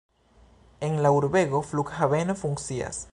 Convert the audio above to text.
En la urbego flughaveno funkcias.